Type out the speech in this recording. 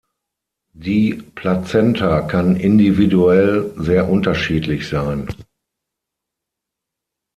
Die Plazenta kann individuell sehr unterschiedlich sein.